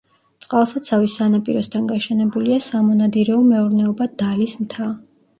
წყალსაცავის სანაპიროსთან გაშენებულია სამონადირეო მეურნეობა „დალის მთა“.